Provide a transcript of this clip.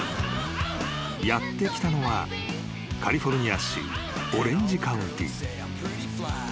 ［やって来たのはカリフォルニア州オレンジカウンティ］